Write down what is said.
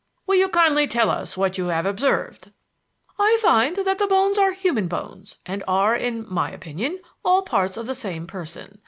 "Will you kindly tell us what you have observed?" "I find that the bones are human bones, and are, in my opinion, all parts of the same person.